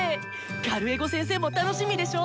カルエゴ先生も楽しみでしょ？